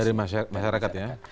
dari masyarakat ya